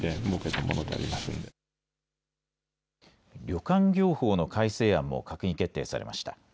旅館業法の改正案も閣議決定されました。